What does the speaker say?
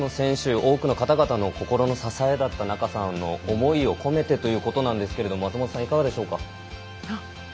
多くの方の心の支えだった仲さんの思いを込めてということなんですけれども松本さん、いかがでしょうか。